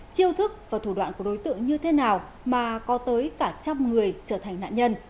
chiêu thức và thủ đoạn của đối tượng như thế nào mà có tới cả trăm người trở thành nạn nhân